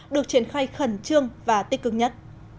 được triển khai khẩn trương và tích cực nhất